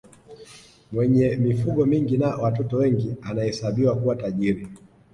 mwenye mifugo mingi na watoto wengi anahesabiwa kuwa tajiri